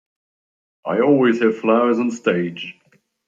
I always have flowers on stage.